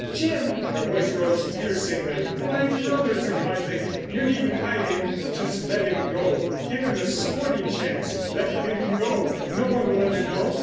"Jim," her voice rose piercingly. "My brother is a convict.... You needn't hide him, but just let him go—give him a sporting chance. Let him go. No one will ever know.